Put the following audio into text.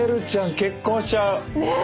結婚しちゃう。ね！